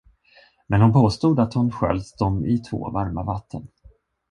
Men hon påstod, att hon sköljt dem i två varma vatten.